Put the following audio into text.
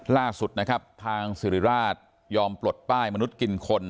ล่าสุดนะครับทางสิริราชยอมปลดป้ายมนุษย์กินคน